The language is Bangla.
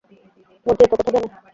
মতি এত কথা জানে!